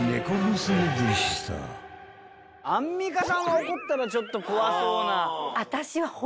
アンミカさんは怒ったらちょっと怖そうな。